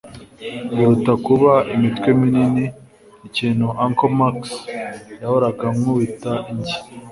Biruta kuba imitwe minini, ikintu Uncle Max yahoraga ankubita inshyi